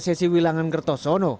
sesi wilangan kertosono